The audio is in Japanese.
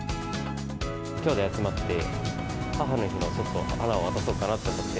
きょうだい集まって、母の日の花を渡そうかなと思って。